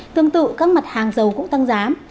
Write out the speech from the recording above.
tương tự các mặt hàng dầu cũng tăng giá